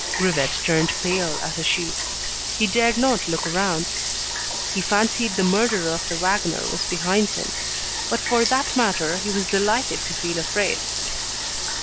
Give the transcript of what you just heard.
Grivet turned pale as a sheet. He dared not look round. He fancied the murderer of the wagoner was behind him. But for that matter, he was delighted to feel afraid.